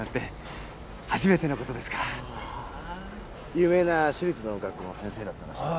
有名な私立の学校の先生だったらしいですよ。